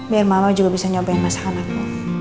biar mama juga bisa nyobain masakan aku